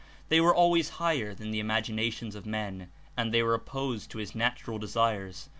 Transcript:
They were always higher than the imagina tions of men, and they were opposed to his natural desires.